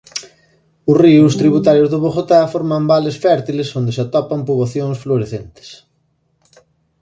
Os ríos tributarios do Bogotá forman vales fértiles onde se atopan poboacións florecentes.